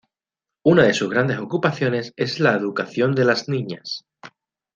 Una de sus grandes ocupaciones es la educación de las niñas.